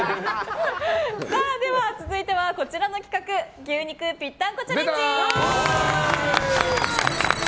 続いてはこちらの企画牛肉ぴったんこチャレンジ！